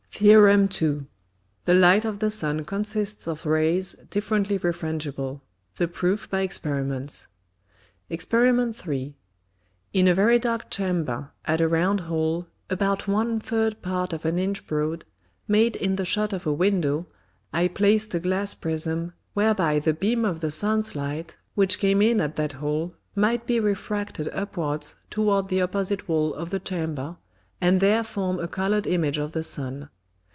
THEOR. II. The Light of the Sun consists of Rays differently Refrangible. The PROOF by Experiments. [Illustration: FIG. 12.] [Illustration: FIG. 13.] Exper. 3. In a very dark Chamber, at a round Hole, about one third Part of an Inch broad, made in the Shut of a Window, I placed a Glass Prism, whereby the Beam of the Sun's Light, which came in at that Hole, might be refracted upwards toward the opposite Wall of the Chamber, and there form a colour'd Image of the Sun.